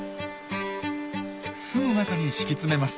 巣の中に敷き詰めます。